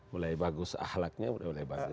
mulai bagus ahlaknya udah mulai bagus